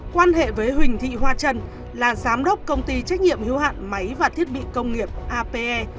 quan hệ với huỳnh thị hoa trần là giám đốc công ty trách nhiệm hưu hạn máy và thiết bị công nghiệp ape